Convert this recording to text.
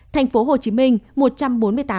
thành phố hồ chí minh một trăm bốn mươi tám